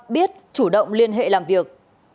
biết chủ động liên hệ làm việc